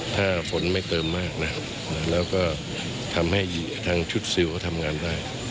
ถ้าฝนไม่เติมมากนะครับแล้วก็ทำให้ทางชุดซิลเขาทำงานได้